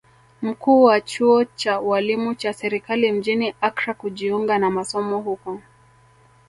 Mkuu wa chuo cha ualimu cha serikali mjini Accra kujiunga na masomo huko